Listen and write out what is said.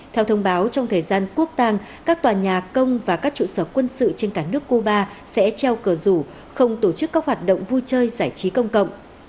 theo thông báo trong thời gian quốc tàng các tòa nhà công và các trụ sở quân sự trên cả nước cuba sẽ treo cờ rủ không tổ chức các hoạt động vui chơi giải trí công cộng